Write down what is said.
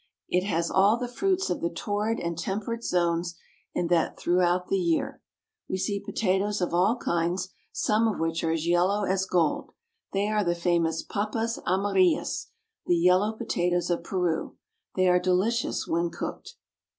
It has all the fruits of the torrid and temperate zones, and that throughout the year. We see potatoes of all kinds, some of which are as yellow as gold. They are the famous /^/^i amarillas, the yellow potatoes of Peru. They are delicious when cooked.